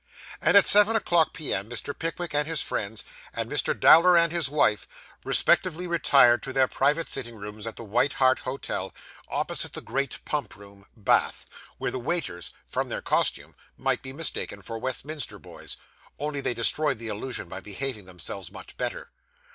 And at seven o'clock P.M. Mr. Pickwick and his friends, and Mr. Dowler and his wife, respectively retired to their private sitting rooms at the White Hart Hotel, opposite the Great Pump Room, Bath, where the waiters, from their costume, might be mistaken for Westminster boys, only they destroy the illusion by behaving themselves much better.